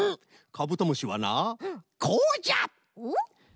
カブトムシはなこうじゃ！